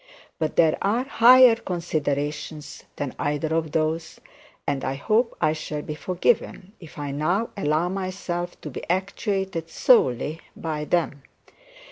But there are higher considerations than either of those, and I hope I shall be forgiven if I now allow myself to be actuated solely by them.